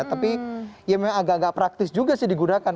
tapi ya memang agak agak praktis juga sih digunakan